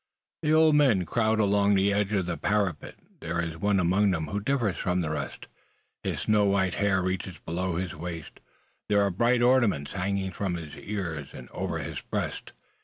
The old men crowd along the edge of the parapet. There is one among them who differs from the rest. His snow white hair reaches below his waist. There are bright ornaments hanging from, his ears and over his breast.